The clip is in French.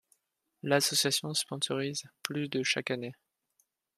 L'association sponsorise plus de chaque année.